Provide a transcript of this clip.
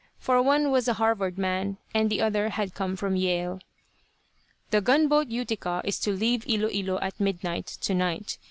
For one was a Harvard man, and the other had come from Yale. "The gunboat Utica is to leave Ilo Ilo at midnight, tonight.